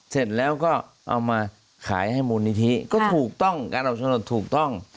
เสร็จแล้วก็เอามาขายให้มูลนิธิก็ถูกต้องการออกสนุนถูกต้อง